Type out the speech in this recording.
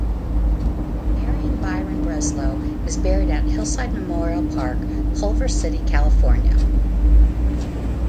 Marion Byron Breslow is buried at Hillside Memorial Park, Culver City, California.